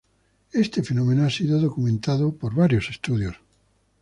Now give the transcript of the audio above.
Este fenómeno ha sido documentado por varios estudios.